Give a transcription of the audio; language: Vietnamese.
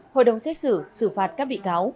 hội đồng xét xử xử phạt các bị cáo